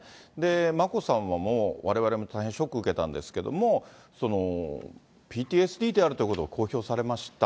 眞子さまも、われわれも大変ショック受けたんですけど、ＰＴＳＤであるということを公表されました。